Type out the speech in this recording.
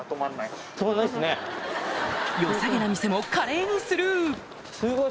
よさげな店も華麗にスルー！